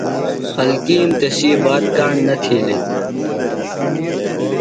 خلکِیم تسی بات کاݨ نہ تِھیلیۡ۔